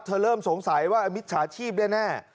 เริ่มสงสัยว่ามิจฉาชีพแน่